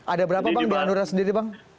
ada berapa bang di hanura sendiri bang